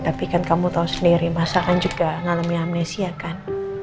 tapi kan kamu tahu sendiri masakan juga ngalami amnesia kan